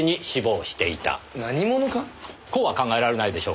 こうは考えられないでしょうか。